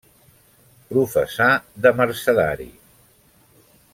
Professà de mercedari.